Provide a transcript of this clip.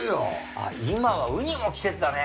あっ今はウニも季節だね！